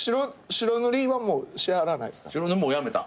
白塗りはもうやめた。